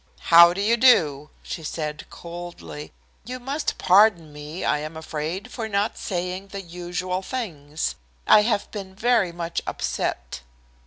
"How do you do?" she said coldly. "You must pardon me, I am afraid, for not saying the usual things. I have been very much upset."